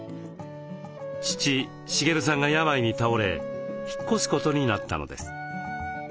父・茂さんが病に倒れ引っ越すことになったのです。